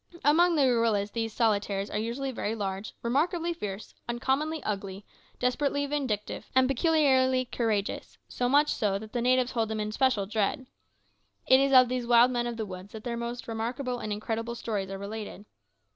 Among the gorillas these solitaires are usually very large, remarkably fierce, uncommonly ugly, desperately vindictive, and peculiarly courageous; so much so that the natives hold them in special dread. It is of these wild men of the woods that their most remarkable and incredible stories are related.